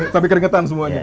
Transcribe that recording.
sambil keringetan semuanya